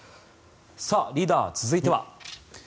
リーダー、続いては。